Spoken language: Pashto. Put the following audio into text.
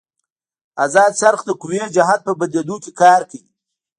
ازاد څرخ د قوې جهت په بدلېدو کې کار کوي.